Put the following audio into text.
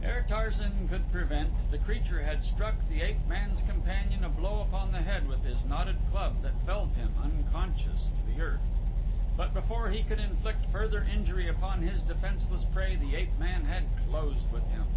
Ere Tarzan could prevent the creature had struck the ape man's companion a blow upon the head with his knotted club that felled him, unconscious, to the earth; but before he could inflict further injury upon his defenseless prey the ape man had closed with him.